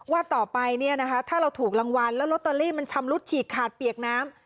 ว่าต่อไปเนี่ยนะคะถ้าเราถูกรางวัลแล้วลอตเตอรี่มันชำรุดฉีกขาดเปียกน้ำ